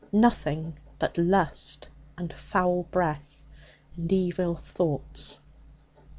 Nothing but lust and foul breath and evil thoughts.'